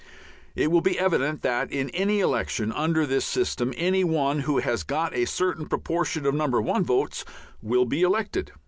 It will be evident that, in any election under this system, any one who has got a certain proportion of No. 1 votes will be elected.